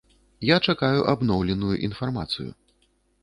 Я чакаю абноўленую інфармацыю.